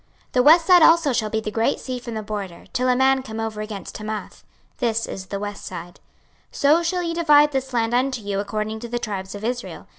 26:047:020 The west side also shall be the great sea from the border, till a man come over against Hamath. This is the west side. 26:047:021 So shall ye divide this land unto you according to the tribes of Israel.